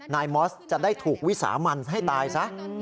มอสจะได้ถูกวิสามันให้ตายซะ